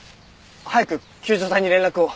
早く救助隊に連絡を！